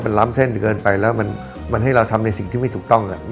มันล้ำเส้นเกินไปแล้วมันให้เราทำในสิ่งที่ไม่ถูกต้อง